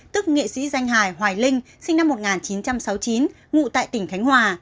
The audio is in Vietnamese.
tức nghệ sĩ danh hải hoài linh sinh năm một nghìn chín trăm sáu mươi chín ngụ tại tỉnh khánh hòa